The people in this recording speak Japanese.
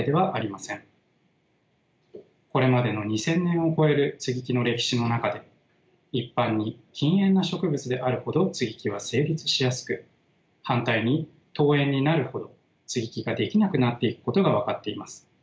これまでの２，０００年を超える接ぎ木の歴史の中で一般に近縁な植物であるほど接ぎ木は成立しやすく反対に遠縁になるほど接ぎ木ができなくなっていくことが分かっています。